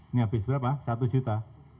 ini habis berapa satu juta